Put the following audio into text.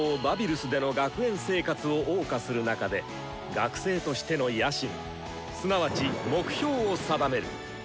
バビルスでの学園生活をおう歌する中で学生としての野心すなわち目標を定める。